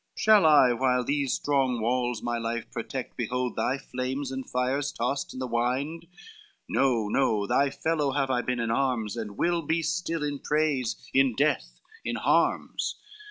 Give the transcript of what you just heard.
Shall I while these strong walls my life protect Behold thy flames and fires tossed in the wind, No, no, thy fellow have I been in arms, And will be still, in praise, in death, in harms.